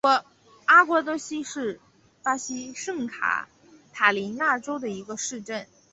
阿瓜多西是巴西圣卡塔琳娜州的一个市镇。